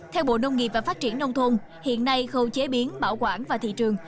theo bộ nông nghiệp và phát triển nông thôn hiện nay khâu chế biến bảo quản và thị trường